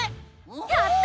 やった！